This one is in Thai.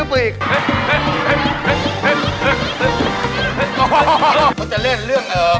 กักของเค้าจะเล่นเรื่อง